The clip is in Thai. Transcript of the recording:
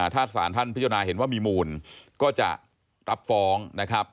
ถ้าสารท่านพิจารณาเห็นว่ามีมูลก็จะรับฟ้องนะครับ